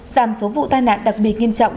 giảm số vụ tai nạn đặc biệt nghiêm trọng